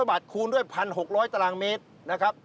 บาทคูณด้วย๑๖๐๐ตารางเมตรนะครับ